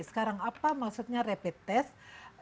sekarang apa maksudnya rapid test